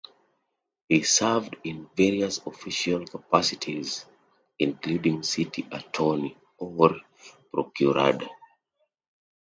He served in various official capacities including city attorney, or procurador.